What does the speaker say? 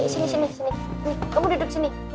sini sini kamu duduk sini